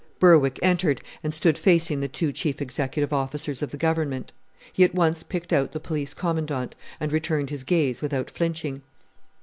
Berwick entered, and stood facing the two chief executive officers of the Government. He at once picked out the Police Commandant, and returned his gaze without flinching.